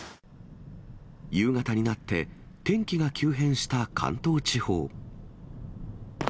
夕方になって天気が急変した関東地方。